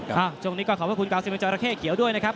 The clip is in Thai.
ช่วงนี้ก็ขอบคุณกาวซิเมนจอราเข้เขียวด้วยนะครับ